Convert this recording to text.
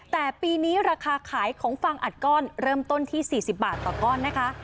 แต่ปีนี้ราคาขายของฟังอัดก้อนเริ่มต้นที่๔๐บาทต่อก้อนนะคะ